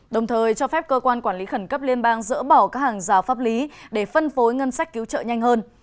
đồng thời cho phép cơ quan quản lý khẩn cấp liên bang dỡ bỏ các hàng rào pháp lý để phân phối ngân sách cứu trợ nhanh hơn